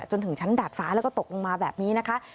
จนถึงชั้นดาดฟ้าแล้วก็ตกลงมาแบบนี้นะคะ